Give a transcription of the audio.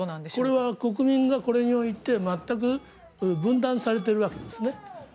これは国民がこれにおいて全く分断されているわけです。